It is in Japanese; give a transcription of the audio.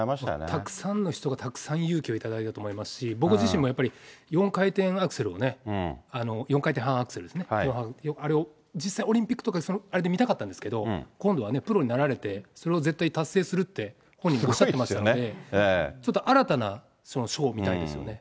たくさんの人がたくさん勇気を頂いたと思いますし、僕自身もやっぱり、４回転アクセルをね、４回転半アクセルですね、あれを実際、オリンピックとか、あれで見たかったんですけど、今度はプロになられて、それを絶対達成するって、本人がおっしゃってましたので、ちょっと新たなショーを見たいですよね。